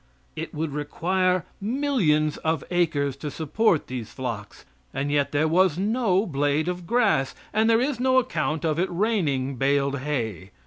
It would require millions of acres to support these flocks, and yet there was no blade of grass, and there is no account of it raining baled hay.